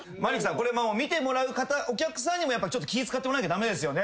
これ見てもらう方お客さんにもやっぱちょっと気ぃ使ってもらわなきゃ駄目ですよね。